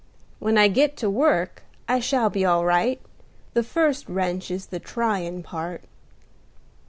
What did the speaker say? When I git to work, I shall be all right: the first wrench is the tryin' part."